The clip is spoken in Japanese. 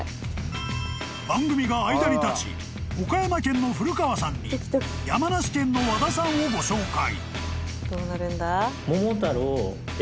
［番組が間に立ち岡山県の古川さんに山梨県の和田さんをご紹介］